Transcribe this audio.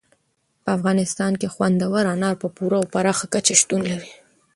په افغانستان کې خوندور انار په پوره او پراخه کچه شتون لري.